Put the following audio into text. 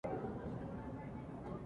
岩手県大槌町